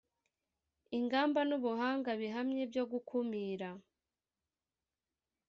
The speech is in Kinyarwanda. ingamba n ubuhanga bihamye byo gukumira